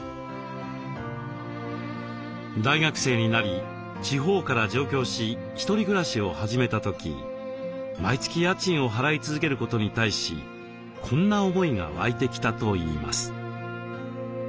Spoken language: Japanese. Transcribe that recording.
大学生になり地方から上京し１人暮らしを始めた時毎月家賃を払い続けることに対しこんな思いが湧いてきたといいます。